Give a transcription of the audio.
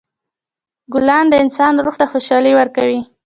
ګلان د انسان روح ته خوشحالي ورکوي.